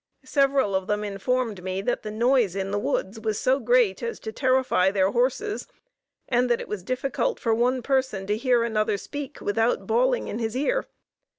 Several of them informed me that the noise in the woods was so great as to terrify their horses, and that it was difficult for one person to hear another speak without bawling in his ear.